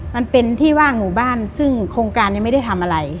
มันเป็นที่ว่างหมู่บ้านซึ่งโครงการยังไม่ได้ทำอะไร